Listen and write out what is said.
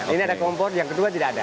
ini ada kompor yang kedua tidak ada